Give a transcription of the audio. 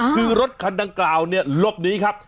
คือรถคันดังกล่าวลบหนีครับ